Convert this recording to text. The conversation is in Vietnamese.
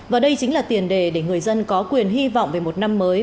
và đây chính là tiền đề để người dân có quyền hy vọng về một năm mới